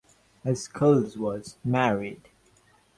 Schulz was married.